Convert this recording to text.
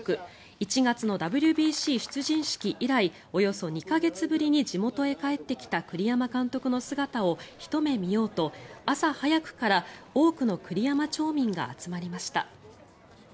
１月のＷＢＣ出陣式以来およそ２か月ぶりに地元へ帰ってきた栗山監督の姿をひと目見ようと、朝早くから多くの栗山町民が集まりました。